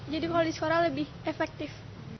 jadi kalau di sekolah lebih efektif